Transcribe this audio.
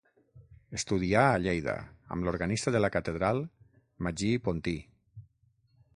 Estudià a Lleida, amb l'organista de la catedral, Magí Pontí.